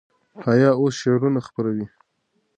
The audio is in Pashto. حیا اوس شعرونه خپروي.